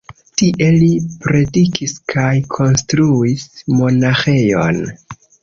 Tie li predikis kaj konstruis monaĥejon.